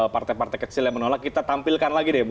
partai partai kecil yang menolak kita tampilkan lagi deh bu